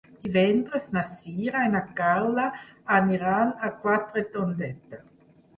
Divendres na Sira i na Carla aniran a Quatretondeta.